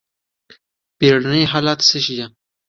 بیړني حالات څه غواړي؟